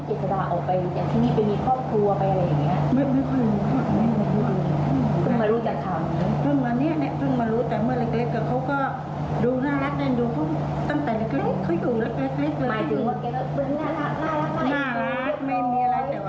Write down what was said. พ่อป้าก็จำอะไรไม่ได้หรอก